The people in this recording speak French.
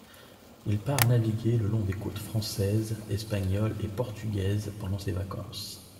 Il part naviguer le long des côtes françaises, espagnoles et portugaises pendant ses vacances.